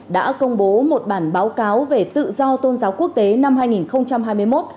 đã công bố một bản báo cáo về tự do tôn giáo quốc tế năm hai nghìn hai mươi một